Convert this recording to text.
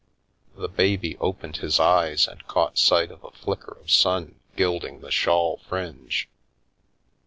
The baby opened his eyes, and caught sight of a flicker of sun gilding the shawl fringe.